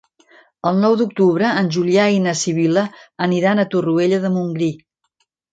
El nou d'octubre en Julià i na Sibil·la aniran a Torroella de Montgrí.